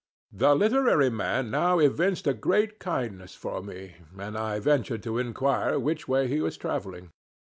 The literary man now evinced a great kindness for me, and I ventured to inquire which way he was travelling.